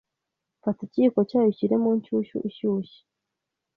Fata ikiyiko cyayo ushyire mu nshyushyu ishyushye